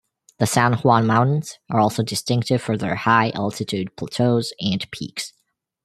The San Juan Mountains are also distinctive for their high altitude plateaus and peaks.